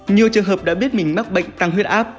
nhiều trường hợp đã biết mình mắc bệnh tăng huyết áp